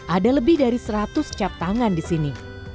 ada lebih dari seratus cap tangan di sini